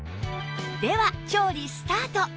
では調理スタート！